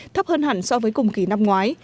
thấp hơn hẳn so với cùng kỳ năm ngoái